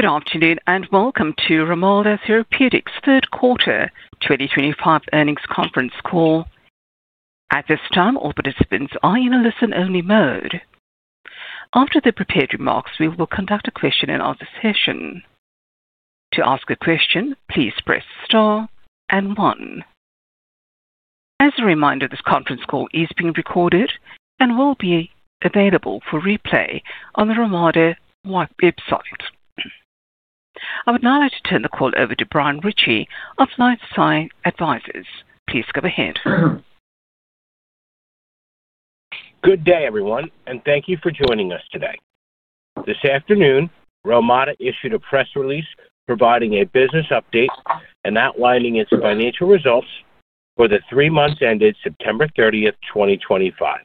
Good afternoon and welcome to Relmada Therapeutics Third Quarter 2025 Earnings Conference Call. At this time, all participants are in a listen-only mode. After the prepared remarks, we will conduct a question-and-answer session. To ask a question, please press star and one. As a reminder, this conference call is being recorded and will be available for replay on the Relmada website. I would now like to turn the call over to Brian Ritchie of LifeSci Advisors. Please go ahead. Good day, everyone, and thank you for joining us today. This afternoon, Relmada Therapeutics issued a press release providing a business update and outlining its financial results for the three months ended September 30, 2025.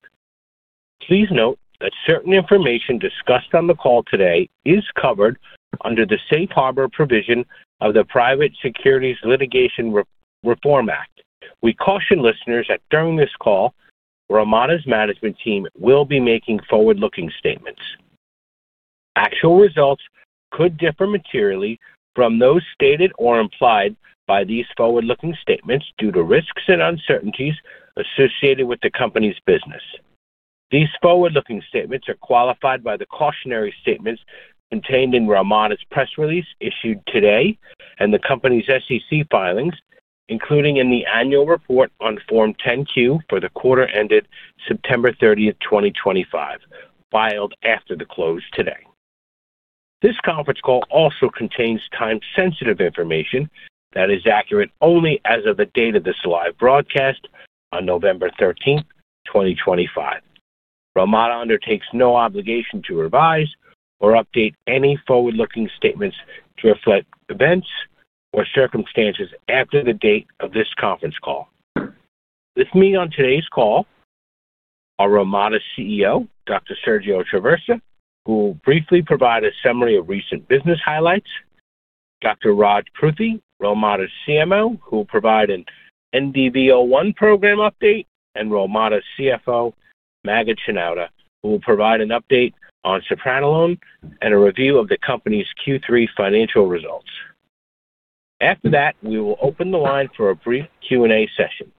Please note that certain information discussed on the call today is covered under the safe harbor provision of the Private Securities Litigation Reform Act. We caution listeners that during this call, Relmada Therapeutics' management team will be making forward-looking statements. Actual results could differ materially from those stated or implied by these forward-looking statements due to risks and uncertainties associated with the company's business. These forward-looking statements are qualified by the cautionary statements contained in Relmada Therapeutics' press release issued today and the company's SEC filings, including in the annual report on Form 10-Q for the quarter ended September 30, 2025, filed after the close today. This conference call also contains time-sensitive information that is accurate only as of the date of this live broadcast on November 13th, 2025. Relmada undertakes no obligation to revise or update any forward-looking statements to reflect events or circumstances after the date of this conference call. With me on today's call are Relmada's CEO, Dr. Sergio Traversa, who will briefly provide a summary of recent business highlights, Dr. Raj Pruthi, Relmada's CMO, who will provide an NDV-01 program update, and Relmada's CFO, Maged Shenouda, who will provide an update on Sepranolone and a review of the company's Q3 financial results. After that, we will open the line for a brief Q&A session.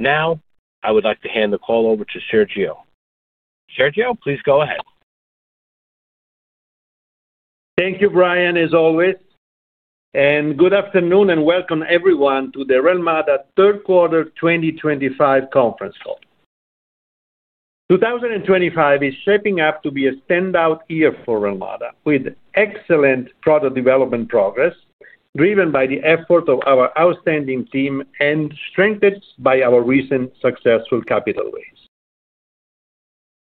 Now, I would like to hand the call over to Sergio. Sergio, please go ahead. Thank you, Brian, as always. Good afternoon and welcome everyone to the Relmada third quarter 2025 conference call. 2025 is shaping up to be a standout year for Relmada with excellent product development progress driven by the effort of our outstanding team and strengthened by our recent successful capital raise.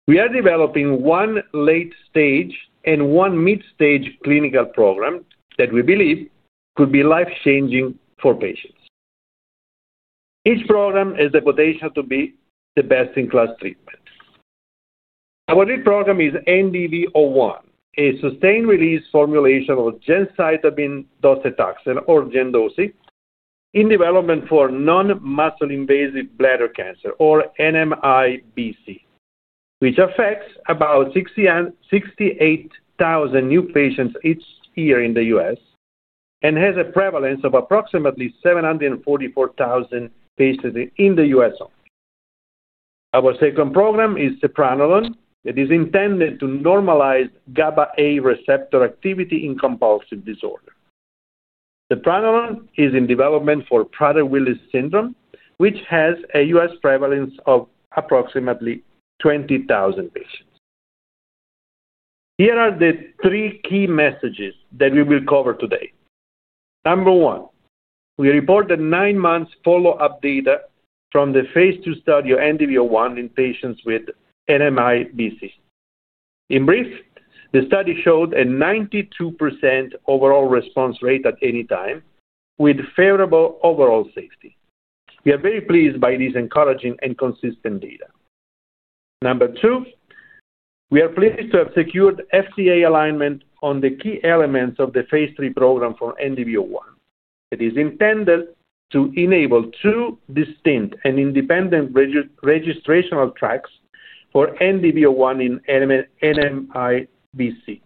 We are developing one late-stage and one mid-stage clinical program that we believe could be life-changing for patients. Each program has the potential to be the best-in-class treatment. Our new program is NDV-01, a sustained-release formulation of gemcitabine and docetaxel, or Gem/Doce, in development for non-muscle-invasive bladder cancer, or NMIBC, which affects about 68,000 new patients each year in the U.S. and has a prevalence of approximately 744,000 patients in the U.S. only. Our second program is Sepranolone that is intended to normalize GABAA receptor activity in compulsive disorder. Sepranolone is in development for Prader-Willi syndrome, which has a U.S. prevalence of approximately 20,000 patients. Here are the three key messages that we will cover today. Number one, we reported nine months' follow-up data from the phase II study of NDV-01 in patients with NMIBC. In brief, the study showed a 92% overall response rate at any time with favorable overall safety. We are very pleased by this encouraging and consistent data. Number two, we are pleased to have secured FDA alignment on the key elements of the phase III program for NDV-01. It is intended to enable two distinct and independent registrational tracks for NDV-01 in NMIBC.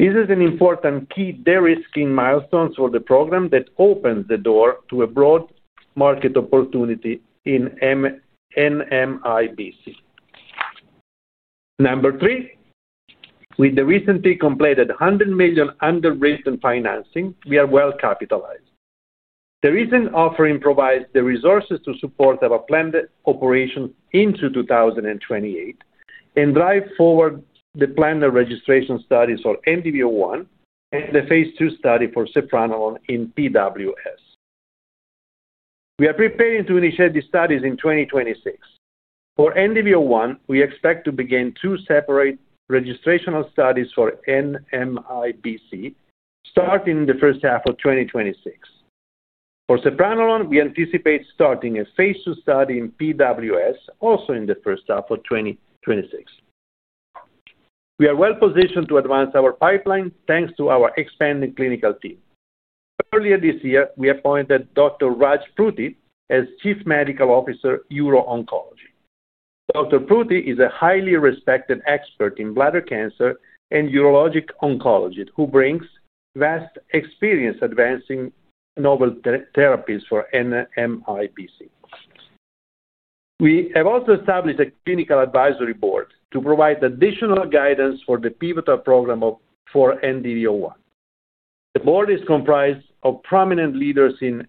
This is an important key de-risking milestone for the program that opens the door to a broad market opportunity in NMIBC. Number three, with the recently completed $100 million underwritten financing, we are well capitalized. The recent offering provides the resources to support our planned operations into 2028 and drive forward the planned registration studies for NDV-01 and the phase II study for Sepranolone in PWS. We are preparing to initiate these studies in 2026. For NDV-01, we expect to begin two separate registrational studies for NMIBC starting in the first half of 2026. For Sepranolone, we anticipate starting a phase II study in PWS also in the first half of 2026. We are well positioned to advance our pipeline thanks to our expanding clinical team. Earlier this year, we appointed Dr. Raj Pruthi as Chief Medical Officer, Uro-Oncology. Dr. Pruthi is a highly respected expert in bladder cancer and urologic oncology who brings vast experience advancing novel therapies for NMIBC. We have also established a clinical advisory board to provide additional guidance for the pivotal program for NDV-01. The board is comprised of prominent leaders in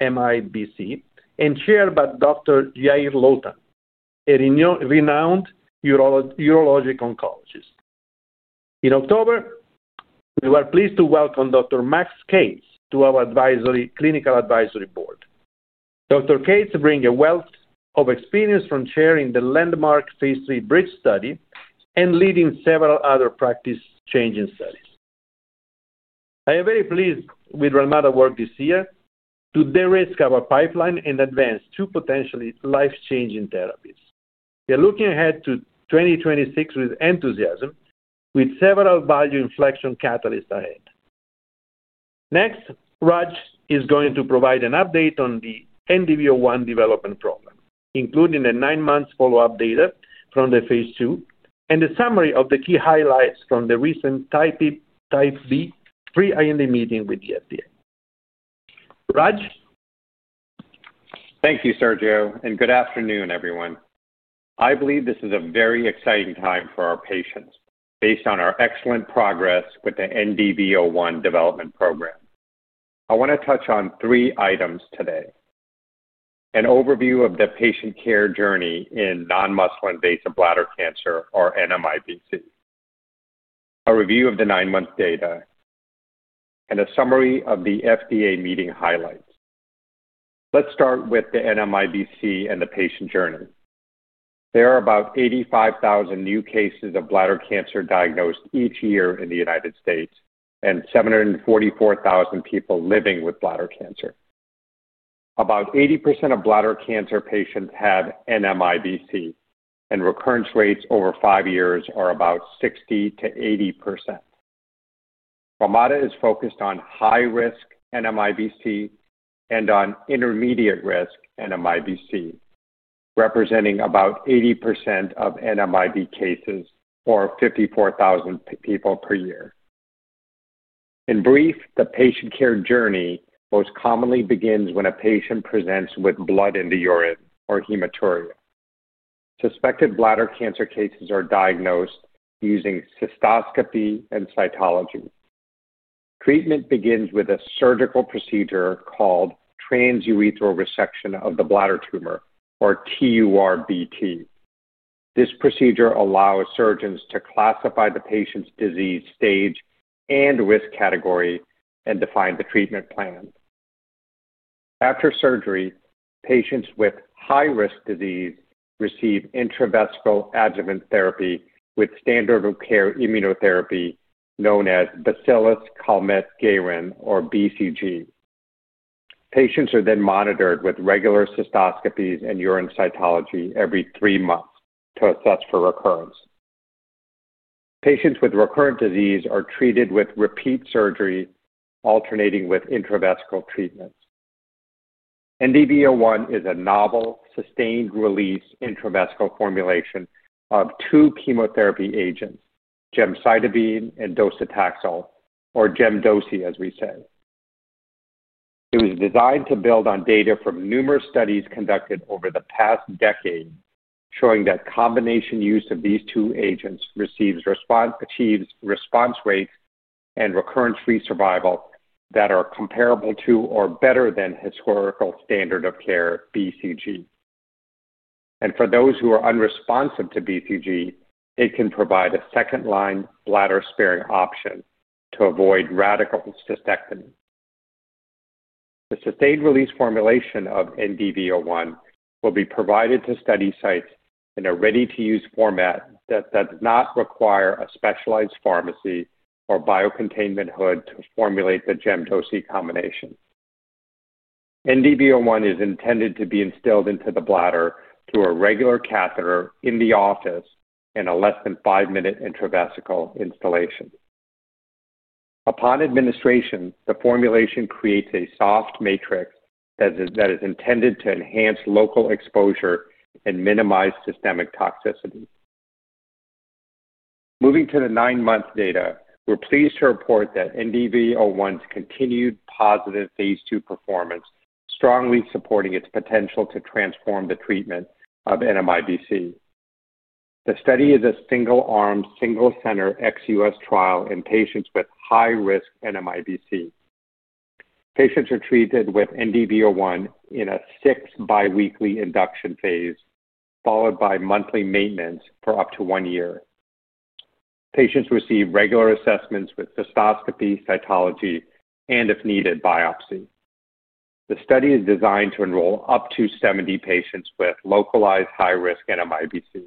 NMIBC and chaired by Dr. Yair Lotan, a renowned urologic oncologist. In October, we were pleased to welcome Dr. Max Kates to our clinical advisory board. Dr. Kates brings a wealth of experience from chairing the landmark phase III BRIDGE study and leading several other practice-changing studies. I am very pleased with Relmada's work this year to de-risk our pipeline and advance two potentially life-changing therapies. We are looking ahead to 2026 with enthusiasm, with several value inflection catalysts ahead. Next, Raj is going to provide an update on the NDV-01 development program, including the nine months' follow-up data from the phase II and a summary of the key highlights from the recent Type B pre-IND meeting with the FDA. Raj? Thank you, Sergio, and good afternoon, everyone. I believe this is a very exciting time for our patients based on our excellent progress with the NDV-01 development program. I want to touch on three items today: an overview of the patient care journey in non-muscle-invasive bladder cancer, or NMIBC; a review of the nine-month data; and a summary of the FDA meeting highlights. Let's start with the NMIBC and the patient journey. There are about 85,000 new cases of bladder cancer diagnosed each year in the United States and 744,000 people living with bladder cancer. About 80% of bladder cancer patients have NMIBC, and recurrence rates over five years are about 60%-80%. Relmada is focused on high-risk NMIBC and on intermediate-risk NMIBC, representing about 80% of NMIBC cases for 54,000 people per year. In brief, the patient care journey most commonly begins when a patient presents with blood in the urine or hematuria. Suspected bladder cancer cases are diagnosed using cystoscopy and cytology. Treatment begins with a surgical procedure called transurethral resection of the bladder tumor, or TURBT. This procedure allows surgeons to classify the patient's disease stage and risk category and define the treatment plan. After surgery, patients with high-risk disease receive intravesical adjuvant therapy with standard of care immunotherapy known as Bacillus Calmette-Guérin, or BCG. Patients are then monitored with regular cystoscopies and urine cytology every three months to assess for recurrence. Patients with recurrent disease are treated with repeat surgery alternating with intravesical treatments. NDV-01 is a novel sustained-release intravesical formulation of two chemotherapy agents, gemcitabine and docetaxel, or Gem/Doce, as we say. It was designed to build on data from numerous studies conducted over the past decade showing that combination use of these two agents achieves response rates and recurrence-free survival that are comparable to or better than historical standard of care, BCG. For those who are unresponsive to BCG, it can provide a second-line bladder-sparing option to avoid radical cystectomy. The sustained-release formulation of NDV-01 will be provided to study sites in a ready-to-use format that does not require a specialized pharmacy or biocontainment hood to formulate the gemdosi combination. NDV-01 is intended to be instilled into the bladder through a regular catheter in the office in a less-than-five-minute intravesical instillation. Upon administration, the formulation creates a soft matrix that is intended to enhance local exposure and minimize systemic toxicity. Moving to the nine-month data, we're pleased to report that NDV-01's continued positive phase II performance strongly supports its potential to transform the treatment of NMIBC. The study is a single-arm, single-center ex-U.S. trial in patients with high-risk NMIBC. Patients are treated with NDV-01 in a six biweekly induction phase followed by monthly maintenance for up to one year. Patients receive regular assessments with cystoscopy, cytology, and if needed, biopsy. The study is designed to enroll up to 70 patients with localized high-risk NMIBC.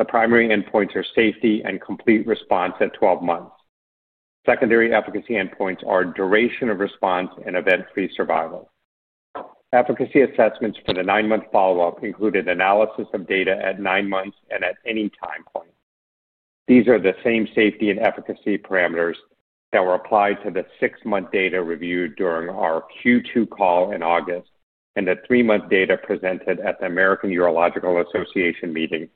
The primary endpoints are safety and complete response at 12 months. Secondary efficacy endpoints are duration of response and event-free survival. Efficacy assessments for the nine-month follow-up included analysis of data at nine months and at any time point. These are the same safety and efficacy parameters that were applied to the six-month data reviewed during our Q2 call in August and the three-month data presented at the American Urological Association meeting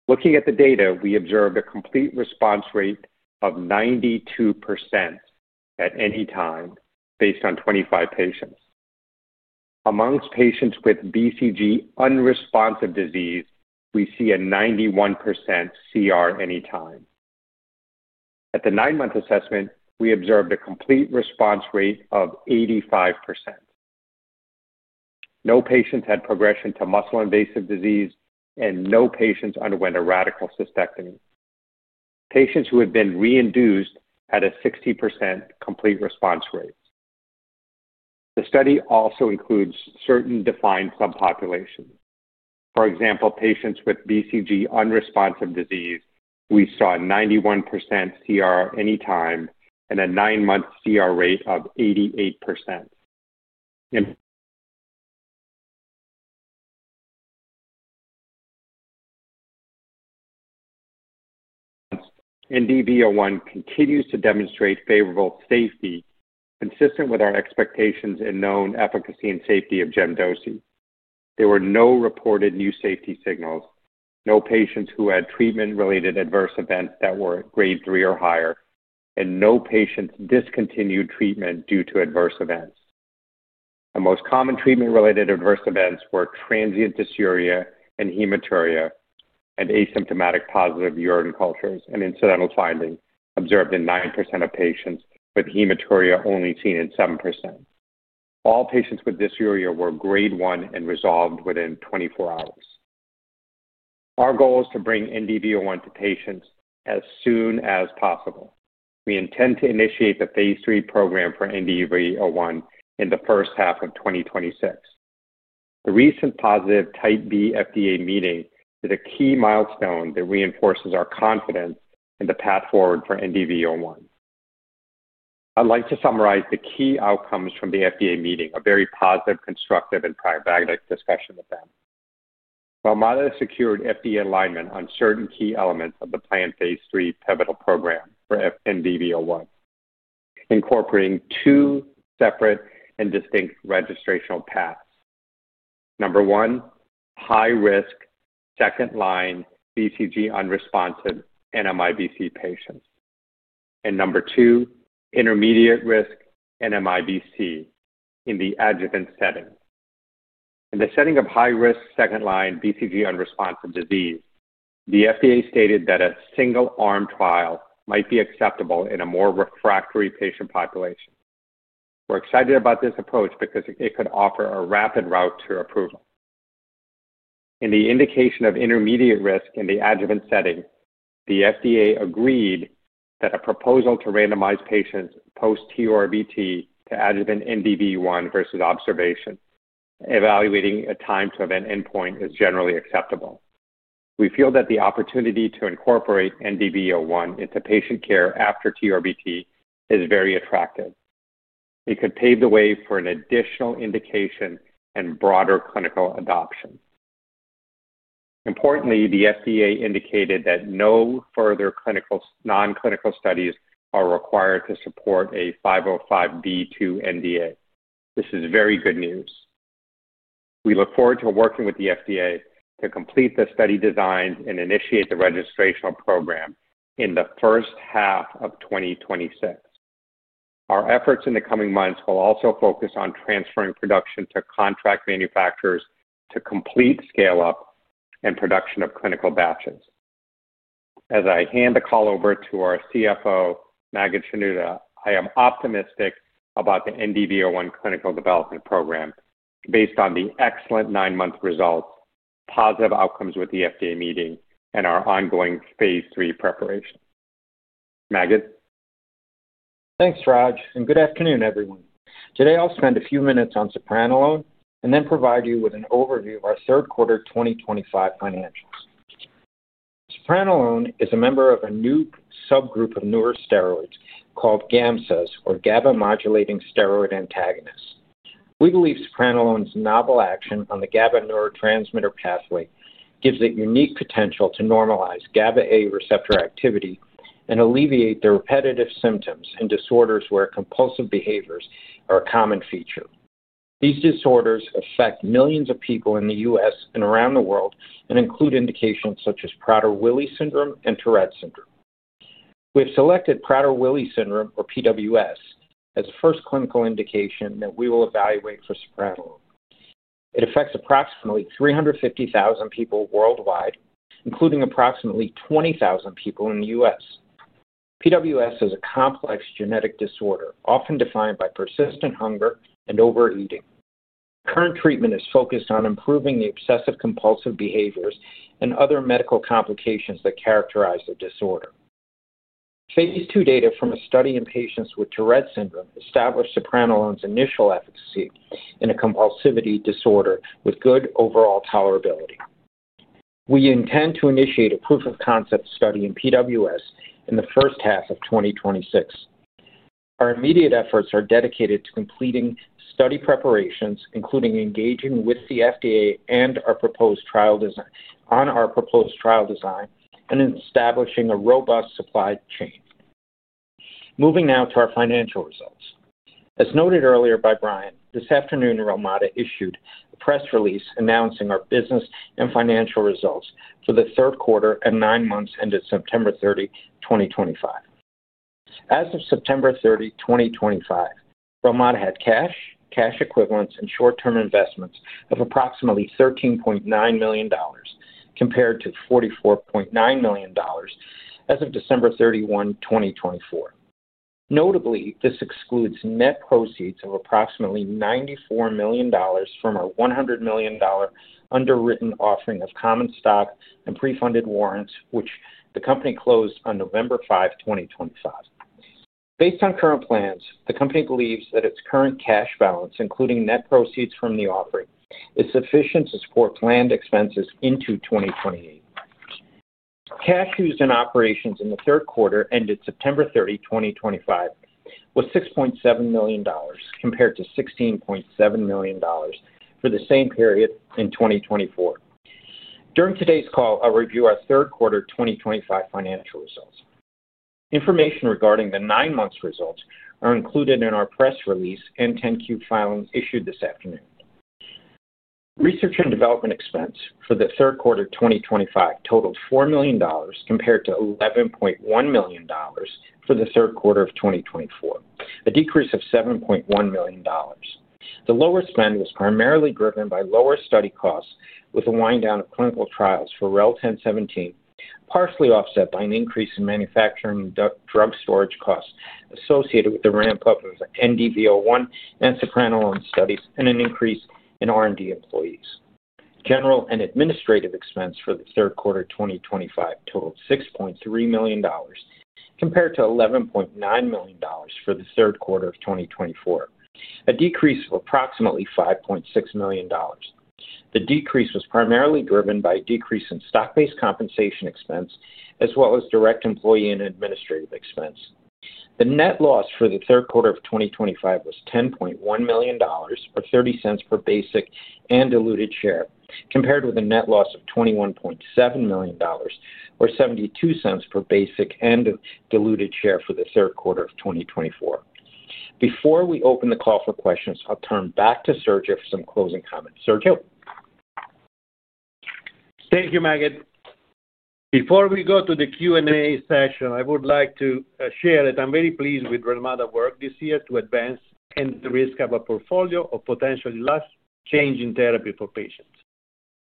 in April. Looking at the data, we observed a complete response rate of 92% at any time based on 25 patients. Amongst patients with BCG unresponsive disease, we see a 91% CR any time. At the nine-month assessment, we observed a complete response rate of 85%. No patients had progression to muscle-invasive disease, and no patients underwent a radical cystectomy. Patients who had been re-induced had a 60% complete response rate. The study also includes certain defined subpopulations. For example, patients with BCG unresponsive disease, we saw a 91% CR any time and a nine-month CR rate of 88%. NDV-01 continues to demonstrate favorable safety consistent with our expectations and known efficacy and safety of Gem/Doce. There were no reported new safety signals, no patients who had treatment-related adverse events that were grade three or higher, and no patients discontinued treatment due to adverse events. The most common treatment-related adverse events were transient dysuria and hematuria and asymptomatic positive urine cultures, an incidental finding observed in 9% of patients, with hematuria only seen in 7%. All patients with dysuria were grade one and resolved within 24 hours. Our goal is to bring NDV-01 to patients as soon as possible. We intend to initiate the phase III program for NDV-01 in the first half of 2026. The recent positive Type B FDA meeting is a key milestone that reinforces our confidence in the path forward for NDV-01. I'd like to summarize the key outcomes from the FDA meeting, a very positive, constructive, and pragmatic discussion with them. Relmada secured FDA alignment on certain key elements of the planned phase III pivotal program for NDV-01, incorporating two separate and distinct registrational paths. Number one, high-risk second-line BCG unresponsive NMIBC patients. Number two, intermediate-risk NMIBC in the adjuvant setting. In the setting of high-risk second-line BCG unresponsive disease, the FDA stated that a single-arm trial might be acceptable in a more refractory patient population. We're excited about this approach because it could offer a rapid route to approval. In the indication of intermediate risk in the adjuvant setting, the FDA agreed that a proposal to randomize patients post-TURBT to adjuvant NDV-01 versus observation, evaluating a time to event endpoint, is generally acceptable. We feel that the opportunity to incorporate NDV-01 into patient care after TURBT is very attractive. It could pave the way for an additional indication and broader clinical adoption. Importantly, the FDA indicated that no further nonclinical studies are required to support a 505(b)(2) NDA. This is very good news. We look forward to working with the FDA to complete the study designs and initiate the registrational program in the first half of 2026. Our efforts in the coming months will also focus on transferring production to contract manufacturers to complete scale-up and production of clinical batches. As I hand the call over to our CFO, Maged Shenouda, I am optimistic about the NDV-01 clinical development program based on the excellent nine-month results, positive outcomes with the FDA meeting, and our ongoing phase III preparation. Maged? Thanks, Raj. Good afternoon, everyone. Today, I'll spend a few minutes on Sepranolone and then provide you with an overview of our third quarter 2025 financials. Sepranolone is a member of a new subgroup of neurosteroids called GAMSAS, or GABA-modulating steroid antagonists. We believe Sepranolone's novel action on the GABA neurotransmitter pathway gives it unique potential to normalize GABAA receptor activity and alleviate the repetitive symptoms in disorders where compulsive behaviors are a common feature. These disorders affect millions of people in the U.S. and around the world and include indications such as Prader-Willi syndrome and Tourette syndrome. We have selected Prader-Willi syndrome, or PWS, as the first clinical indication that we will evaluate for Sepranolone. It affects approximately 350,000 people worldwide, including approximately 20,000 people in the U.S. PWS is a complex genetic disorder often defined by persistent hunger and overeating. Current treatment is focused on improving the obsessive-compulsive behaviors and other medical complications that characterize the disorder. Phase II data from a study in patients with Tourette syndrome established Sepranolone's initial efficacy in a compulsivity disorder with good overall tolerability. We intend to initiate a proof of concept study in PWS in the first half of 2026. Our immediate efforts are dedicated to completing study preparations, including engaging with the FDA and our proposed trial design and establishing a robust supply chain. Moving now to our financial results. As noted earlier by Brian, this afternoon, Relmada issued a press release announcing our business and financial results for the third quarter and nine months ended September 30, 2025. As of September 30, 2025, Relmada had cash, cash equivalents, and short-term investments of approximately $13.9 million compared to $44.9 million as of December 31, 2024. Notably, this excludes net proceeds of approximately $94 million from our $100 million underwritten offering of common stock and pre-funded warrants, which the company closed on November 5, 2025. Based on current plans, the company believes that its current cash balance, including net proceeds from the offering, is sufficient to support planned expenses into 2028. Cash used in operations in the third quarter ended September 30, 2025, was $6.7 million compared to $16.7 million for the same period in 2024. During today's call, I'll review our third quarter 2025 financial results. Information regarding the nine-month results is included in our press release and 10-Q filing issued this afternoon. Research and Development expense for the third quarter 2025 totaled $4 million compared to $11.1 million for the third quarter of 2024, a decrease of $7.1 million. The lower spend was primarily driven by lower study costs with a wind-down of clinical trials for Relmada Therapeutics, partially offset by an increase in manufacturing and drug storage costs associated with the ramp-up of NDV-01 and Sepranolone studies and an increase in R&D employees. General and administrative expense for the third quarter 2025 totaled $6.3 million compared to $11.9 million for the third quarter of 2024, a decrease of approximately $5.6 million. The decrease was primarily driven by a decrease in stock-based compensation expense as well as direct employee and administrative expense. The net loss for the third quarter of 2025 was $10.1 million, or $0.30 per basic and diluted share, compared with a net loss of $21.7 million, or $0.72 per basic and diluted share for the third quarter of 2024. Before we open the call for questions, I'll turn back to Sergio for some closing comments. Sergio? Thank you, Maged. Before we go to the Q&A session, I would like to share that I'm very pleased with Relmada's work this year to advance and reduce the risk of a portfolio of potentially life-changing therapies for patients.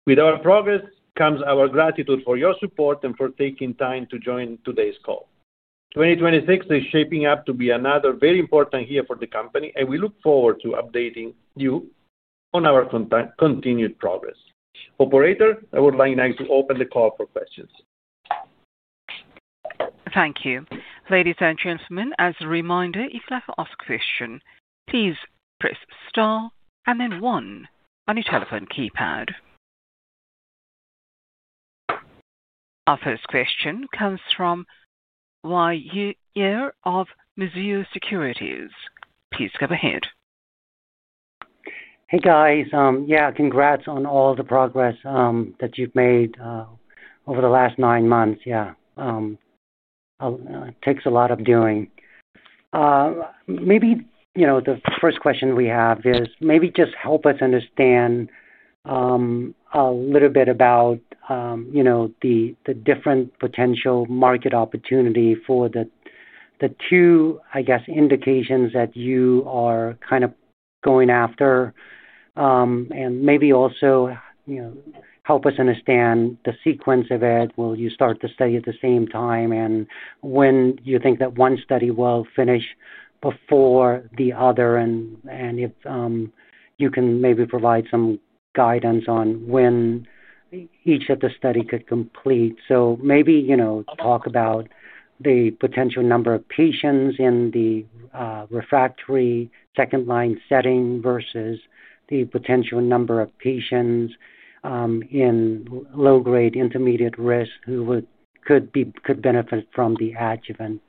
With our progress comes our gratitude for your support and for taking time to join today's call. 2026 is shaping up to be another very important year for the company, and we look forward to updating you on our continued progress. Operator, I would like to open the call for questions. Thank you. Ladies and gentlemen, as a reminder, if you'd like to ask a question, please press star and then one on your telephone keypad. Our first question comes from Uy Ear of Mizuho Securities. Please go ahead. Hey, guys. Yeah, congrats on all the progress that you've made over the last nine months. Yeah, it takes a lot of doing. Maybe the first question we have is maybe just help us understand a little bit about the different potential market opportunity for the two, I guess, indications that you are kind of going after, and maybe also help us understand the sequence of it. Will you start the study at the same time, and when do you think that one study will finish before the other? If you can maybe provide some guidance on when each of the studies could complete. Maybe talk about the potential number of patients in the refractory second-line setting versus the potential number of patients in low-grade, intermediate risk who could benefit from the adjuvant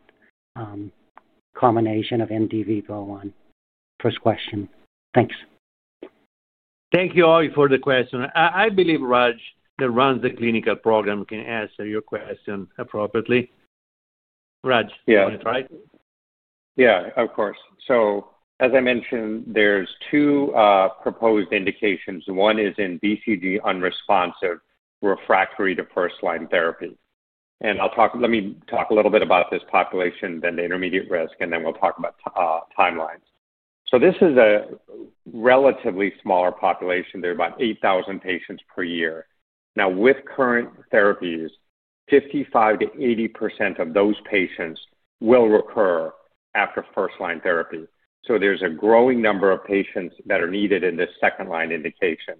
combination of NDV-01. First question. Thanks. Thank you all for the question. I believe Raj that runs the clinical program can answer your question appropriately. Raj, you want to try? Yeah, of course. As I mentioned, there's two proposed indications. One is in BCG unresponsive refractory to first-line therapy. Let me talk a little bit about this population, then the intermediate risk, and then we'll talk about timelines. This is a relatively smaller population. There are about 8,000 patients per year. Now, with current therapies, 55%-80% of those patients will recur after first-line therapy. There's a growing number of patients that are needed in this second-line indication.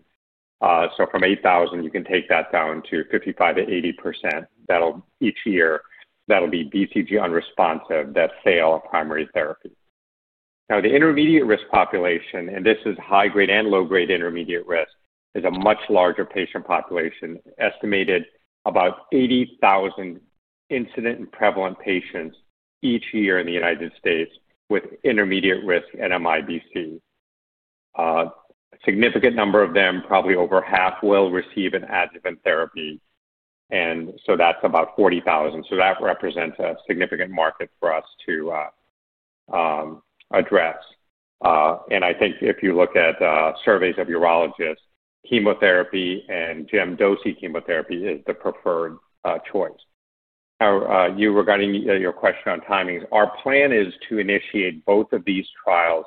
From 8,000, you can take that down to 55%-80% each year that'll be BCG unresponsive that fail a primary therapy. Now, the intermediate risk population, and this is high-grade and low-grade intermediate risk, is a much larger patient population, estimated about 80,000 incident and prevalent patients each year in the United States with intermediate risk NMIBC. A significant number of them, probably over half, will receive an adjuvant therapy. That is about 40,000. That represents a significant market for us to address. I think if you look at surveys of urologists, chemotherapy and Gem/Doce chemotherapy is the preferred choice. Now, regarding your question on timings, our plan is to initiate both of these trials,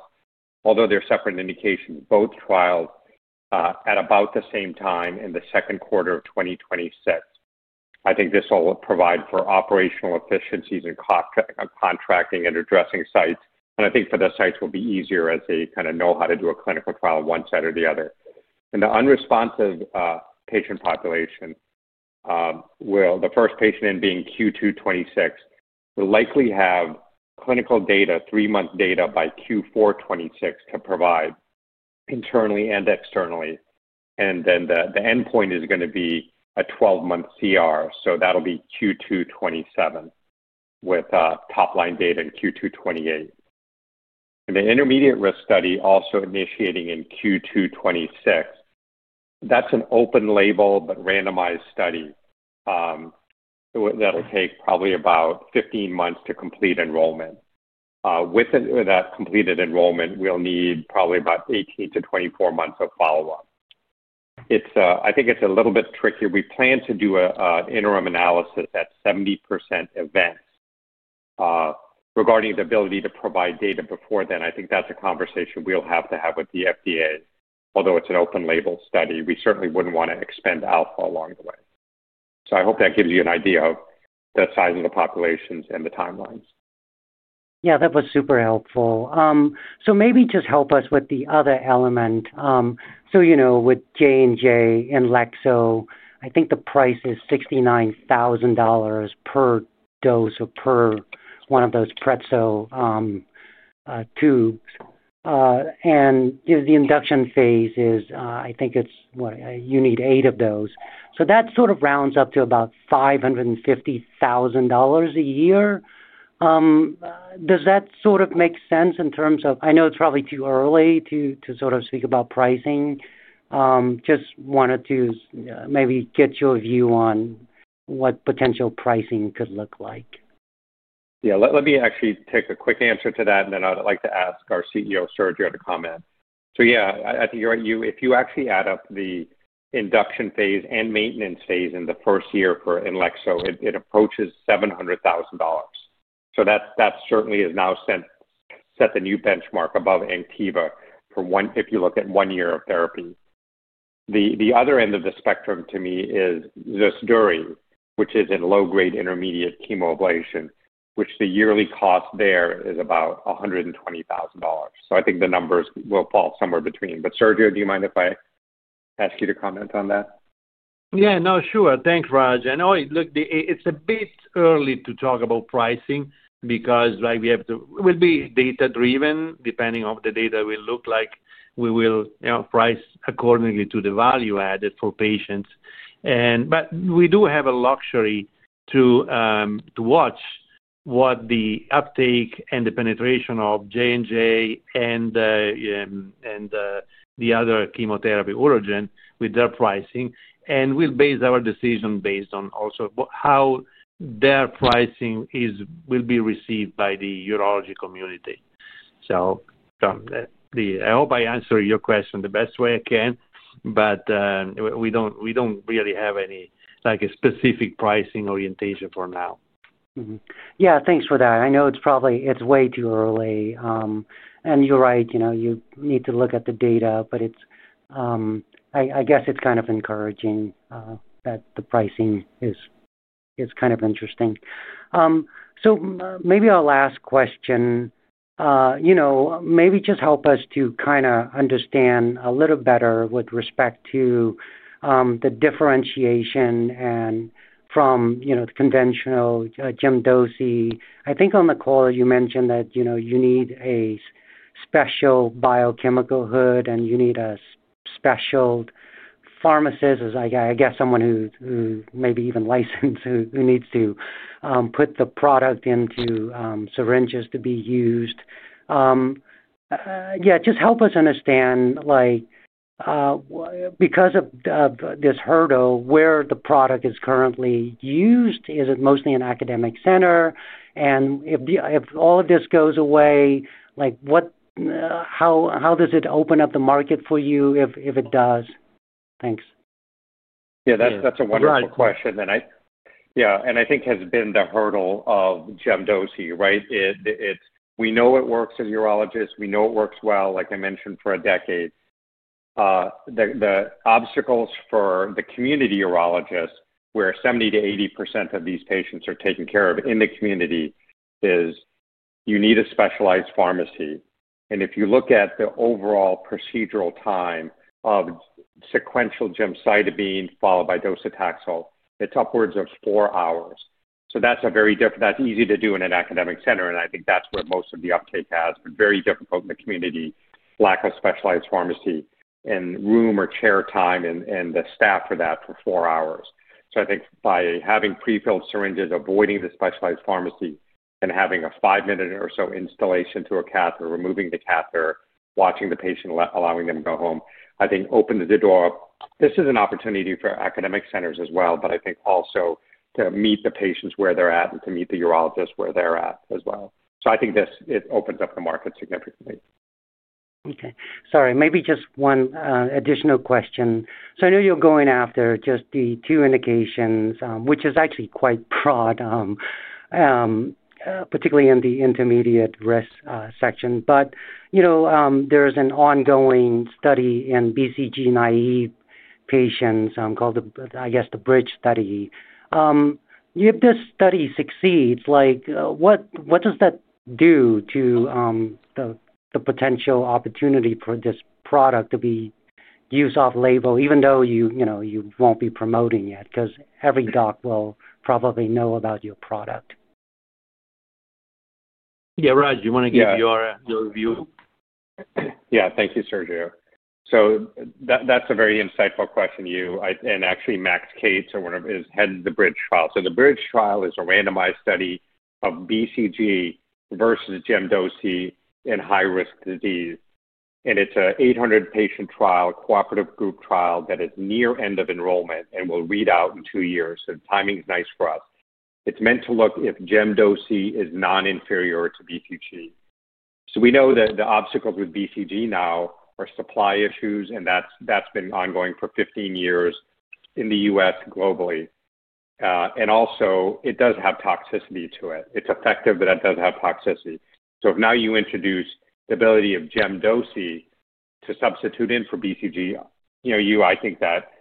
although they are separate indications, both trials at about the same time in the second quarter of 2026. I think this will provide for operational efficiencies in contracting and addressing sites. I think for the sites, it will be easier as they kind of know how to do a clinical trial one set or the other. The unresponsive patient population, the first patient in being Q2 2026, will likely have clinical data, three-month data by Q4 2026 to provide internally and externally. The endpoint is going to be a 12-month CR. That will be Q2 2027 with top-line data in Q2 2028. The intermediate risk study also initiating in Q2 2026, that is an open-label but randomized study that will take probably about 15 months to complete enrollment. With that completed enrollment, we will need probably about 18-24 months of follow-up. I think it is a little bit tricky. We plan to do an interim analysis at 70% event. Regarding the ability to provide data before then, I think that is a conversation we will have to have with the FDA, although it is an open-label study. We certainly would not want to expand alpha along the way. I hope that gives you an idea of the size of the populations and the timelines. Yeah, that was super helpful. Maybe just help us with the other element. With J&J INLEXZO, I think the price is $69,000 per dose or per one of those Pretzel tubes. The induction phase is, I think it's what, you need eight of those. That sort of rounds up to about $550,000 a year. Does that sort of make sense in terms of, I know it's probably too early to sort of speak about pricing. Just wanted to maybe get your view on what potential pricing could look like. Yeah, let me actually take a quick answer to that, and then I'd like to ask our CEO, Sergio, to comment. Yeah, I think you're right. If you actually add up the induction phase and maintenance phase in the first year for INLEXZO, it approaches $700,000. That certainly has now set the new benchmark above Entyva if you look at one year of therapy. The other end of the spectrum to me is ZUSDURI, which is in low-grade, intermediate chemoablation, where the yearly cost is about $120,000. I think the numbers will fall somewhere between. Sergio, do you mind if I ask you to comment on that? Yeah, no, sure. Thanks, Raj. It's a bit early to talk about pricing because we have to—we'll be data-driven. Depending on what the data will look like, we will price accordingly to the value added for patients. We do have a luxury to watch what the uptake and the penetration of J&J and the other chemotherapy urogens with their pricing. We'll base our decision based on also how their pricing will be received by the urology community. I hope I answered your question the best way I can, but we don't really have any specific pricing orientation for now. Yeah, thanks for that. I know it's probably way too early. You're right, you need to look at the data, but I guess it's kind of encouraging that the pricing is kind of interesting. Maybe our last question, maybe just help us to kind of understand a little better with respect to the differentiation from the conventional gem-dosing. I think on the call, you mentioned that you need a special biochemical hood, and you need a special pharmacist, I guess someone who may be even licensed, who needs to put the product into syringes to be used. Just help us understand because of this hurdle, where the product is currently used. Is it mostly in academic centers? If all of this goes away, how does it open up the market for you if it does? Thanks. Yeah, that's a wonderful question. Yeah, and I think has been the hurdle of gemdosi, right? We know it works in urologists. We know it works well, like I mentioned, for a decade. The obstacles for the community urologists, where 70%-80% of these patients are taken care of in the community, is you need a specialized pharmacy. If you look at the overall procedural time of sequential gemcitabine followed by docetaxel, it's upwards of four hours. That's easy to do in an academic center, and I think that's where most of the uptake has, but very difficult in the community, lack of specialized pharmacy and room or chair time and the staff for that for four hours. I think by having prefilled syringes, avoiding the specialized pharmacy, and having a five-minute or so installation to a catheter, removing the catheter, watching the patient, allowing them to go home, I think opens the door up. This is an opportunity for academic centers as well, but I think also to meet the patients where they're at and to meet the urologists where they're at as well. I think it opens up the market significantly. Okay. Sorry, maybe just one additional question. I know you're going after just the two indications, which is actually quite broad, particularly in the intermediate risk section. There is an ongoing study in BCG naive patients called, I guess, the BRIDGE study. If this study succeeds, what does that do to the potential opportunity for this product to be used off-label, even though you won't be promoting yet? Because every doc will probably know about your product. Yeah, Raj, do you want to give your view? Yeah, thank you, Sergio. That's a very insightful question. Actually, Max Kates is head of the BRIDGE trial. The BRIDGE trial is a randomized study of BCG versus Gem/Doce in high-risk disease. It's an 800-patient trial, cooperative group trial that is near end of enrollment and will read out in two years. Timing is nice for us. It's meant to look if gemcitabine and docetaxel is non-inferior to BCG. We know that the obstacles with BCG now are supply issues, and that's been ongoing for 15 years in the U.S. and globally. Also, it does have toxicity to it. It's effective, but it does have toxicity. If now you introduce the ability of gemcitabine and docetaxel to substitute in for BCG, I think that,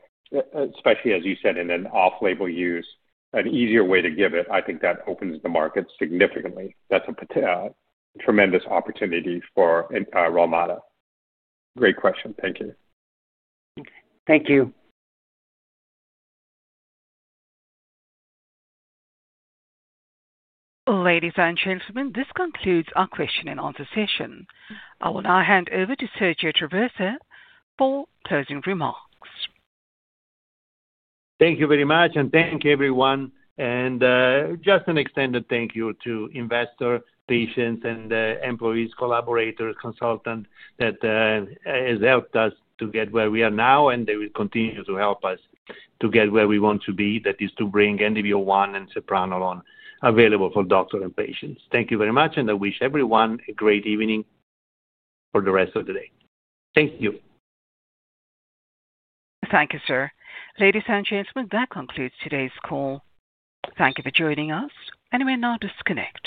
especially as you said, in an off-label use, an easier way to give it, I think that opens the market significantly. That's a tremendous opportunity for Relmada. Great question. Thank you. Thank you. Ladies and gentlemen, this concludes our question and answer session. I will now hand over to Sergio Traversa for closing remarks. Thank you very much, and thank you, everyone. Just an extended thank you to investors, patients, and employees, collaborators, consultants that have helped us to get where we are now, and they will continue to help us to get where we want to be, that is to bring NDV-01 and Sepranolone available for doctors and patients. Thank you very much, and I wish everyone a great evening for the rest of the day. Thank you. Thank you, sir. Ladies and gentlemen, that concludes today's call. Thank you for joining us. We will now disconnect.